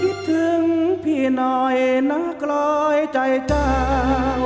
คิดถึงพี่หน่อยนางกลอยใจเจ้า